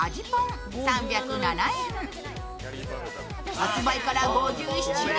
発売から５７年